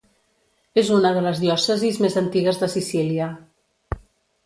És una de les diòcesis més antigues de Sicília.